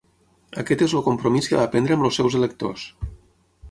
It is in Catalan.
Aquest és el compromís que va prendre amb els seus electors.